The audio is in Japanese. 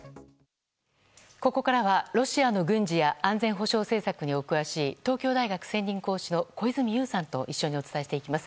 ここからはロシアの軍事や安全保障政策にお詳しい東京大学専任講師の小泉悠さんと一緒にお伝えしていきます。